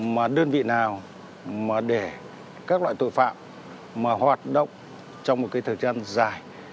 mà đơn vị nào mà để các loại tội phạm mà hoạt động trong một cái thời gian dài